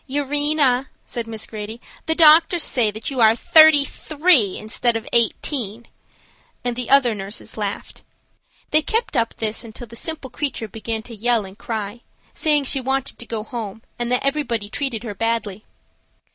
"Urena," said Miss Grady, "the doctors say that you are thirty three instead of eighteen," and the other nurses laughed. They kept up this until the simple creature began to yell and cry, saying she wanted to go home and that everybody treated her badly.